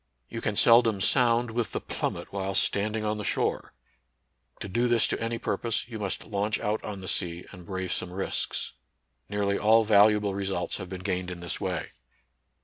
You can seldom sound with the plum met while standing on the shore. To do this to any purpose, you must launch out on the sea, and brave some risks. Nearly all valuable re sults have been gained in this way.